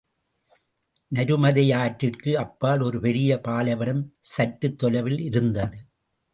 நருமதையாற்றிற்கு அப்பால் ஒரு பெரிய பாலைவனம், சற்றுத் தொலைவில் இருந்தது.